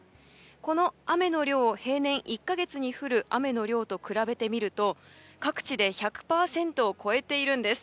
この雨の量、平年１か月に降る雨の量と比べてみると各地で１００％を超えているんです。